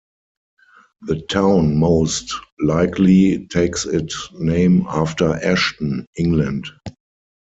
The town most likely takes its name after Ashton, England.